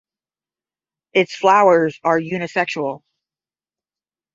Its flowers are unisexual.